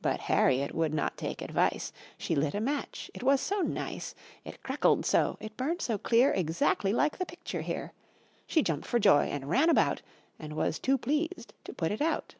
But Harriet would not take advice: She lit a match, it was so nice! It crackled so, it burned so clear Exactly like the picture here. She jumped for joy and ran about And was too pleased to put it out.